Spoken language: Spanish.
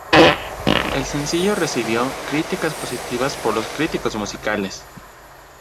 El sencillo recibió críticas positivas por los críticos musicales.